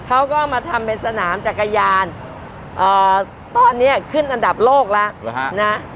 เขาก็มาทำเป็นสนามจักรยานตอนนี้ขึ้นอันดับโลกแล้วนะ